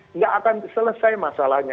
tidak akan selesai masalahnya